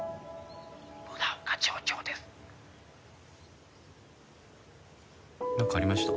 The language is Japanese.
「村岡町長です」なんかありました？